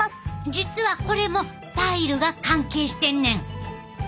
実はこれもパイルが関係してんねん！